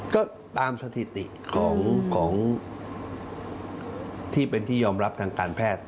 ก็ตามสถิติของที่เป็นที่ยอมรับทางการแพทย์